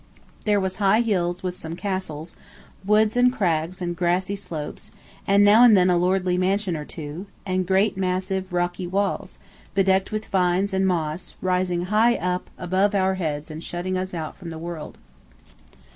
There was high hills with some castles, woods and crags and grassy slopes, and now and then a lordly mansion or two, and great massive, rocky walls, bedecked with vines and moss, rising high up above our heads and shutting us out from the world.